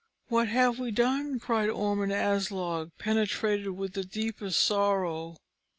"What have we done?" cried Orm and Aslog, penetrated with the deepest sorrow.